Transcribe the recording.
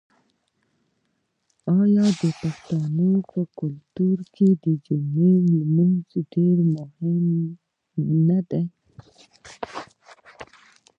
آیا د پښتنو په کلتور کې د جمعې لمونځ ډیر مهم نه دی؟